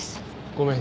ごめん。